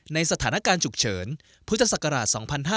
ในสถานการณ์ฉุกเฉินพุทธศักราช๒๕๕๙